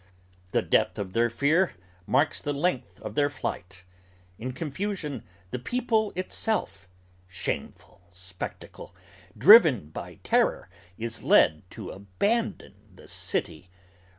The depth of their fear marks the length of their flight! In confusion The people itself shameful spectacle driven by terror Is led to abandon the city.